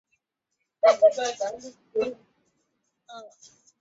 Mualushayi ameongeza kuwa, wanajeshi wawili waliuawa wakati wa mapigano hayo